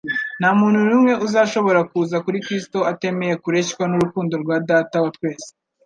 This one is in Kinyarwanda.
Nta muntu n'umwe uzashobora kuza kuri Kristo atemeye kureshywa n'urukundo rwa Data wa twese.